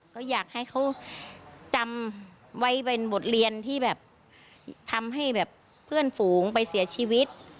ก็อยากให้เขาจำไว้เป็นบทเรียนที่แบบทำให้แบบเพื่อนฝูงไปเสียชีวิต